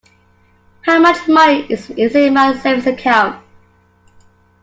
How much money is in my savings account?